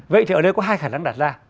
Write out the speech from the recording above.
vậy thì ở đây có hai khả năng đặt ra